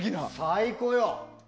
最高よ。